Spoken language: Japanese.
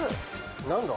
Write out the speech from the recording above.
何だ？